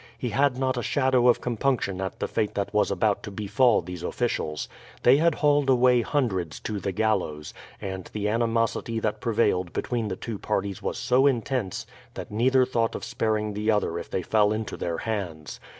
He had not a shadow of compunction at the fate that was about to befall these officials. They had hauled away hundreds to the gallows, and the animosity that prevailed between the two parties was so intense that neither thought of sparing the other if they fell into their hands.